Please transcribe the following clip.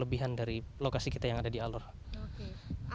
sebenarnya alegorczenia bukan kerja yang paling baik dan yang agung dengan beliau